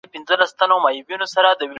موږ بلاګان خو